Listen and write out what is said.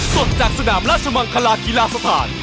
สดจากสนามราชมังคลากีฬาสถาน